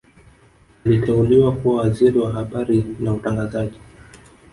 aliteuliwa kuwa Waziri wa habari na utangazaji